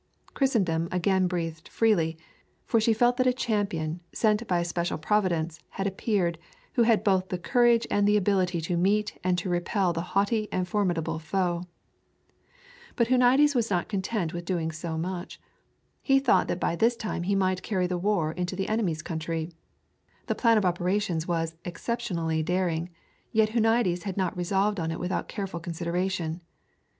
Christendom again breathed freely; for she felt that a champion, sent by a special Providence, had appeared, who had both the courage and the ability to meet and to repel the haughty and formidable foe. But Huniades was not content with doing so much. He thought that by this time he might carry the war into the enemy's country. The plan of operations was exceptionally daring, yet Huniades had not resolved on it without careful consideration.